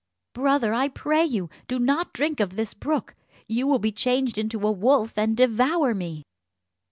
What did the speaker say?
"Brother, I pray you, do not drink of this brook; you will be changed into a wolf, and devour me."